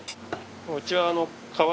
うちは。